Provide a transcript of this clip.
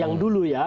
yang dulu ya